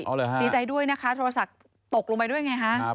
อ๋อเหรอฮะดีใจด้วยนะคะโทรศัพท์ตกลงไปด้วยไงฮะ